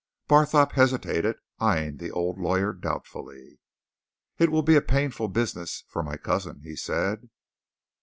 Barthorpe hesitated, eyeing the old lawyer doubtfully. "It will be a painful business for my cousin," he said.